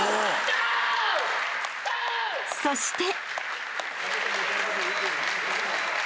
［そして］